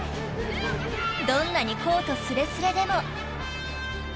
どんなにコートスレスレでも。